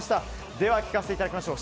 では聞かせていただきましょう。